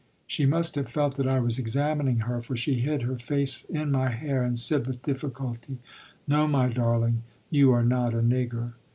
She must have felt that I was examining her, for she hid her face in my hair and said with difficulty: "No, my darling, you are not a nigger."